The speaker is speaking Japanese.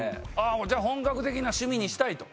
じゃあ本格的な趣味にしたいと。